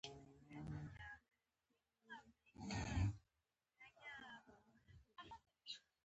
د ټراستانو پر ضد د مقابلې لپاره اساس ګڼل کېده.